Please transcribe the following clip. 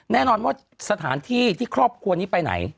แน่นอนว่าสถานที่ที่ครอบครัวนี้ไปไหน